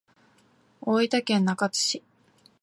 大分県中津市